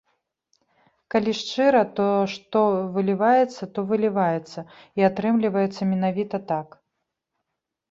Калі шчыра, то, што выліваецца, то выліваецца і атрымліваецца менавіта так.